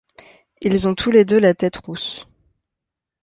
Ils ont tous les deux la tête rousse.